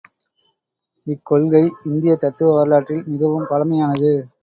இக்கொள்கை இந்தியத் தத்துவ வரலாற்றில் மிகவும் பழமையானது.